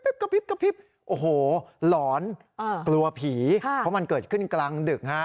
อ่าครับกลัวผีเพราะมันเกิดขึ้นกลางดึก